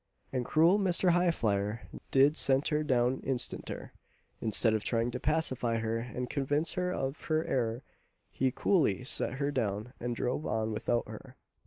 And cruel Mr. Highflyer did set her down instanter; instead of trying to pacify her, and convince her of her error, he coolly set her down and drove on without her.